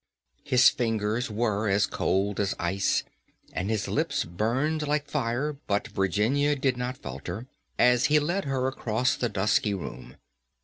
His fingers were as cold as ice, and his lips burned like fire, but Virginia did not falter, as he led her across the dusky room.